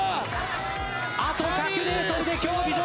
あと１００ｍで競技場。